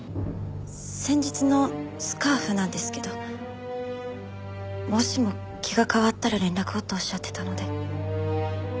先日のスカーフなんですけどもしも気が変わったら連絡をとおっしゃってたので。